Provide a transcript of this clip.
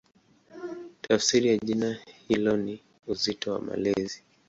Tafsiri ya jina hilo ni "Uzito wa Malezi".